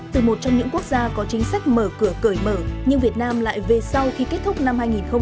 từ một trong những quốc gia có chính sách mở cửa cởi mở nhưng việt nam lại về sau khi kết thúc năm hai nghìn hai mươi